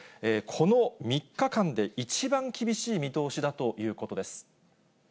この３日間で一番厳しい見通しだということです。